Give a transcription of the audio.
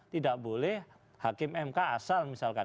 tidak boleh hakim mk asal misalkan